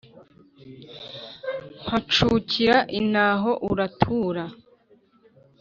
Mpagucira intaho uratura.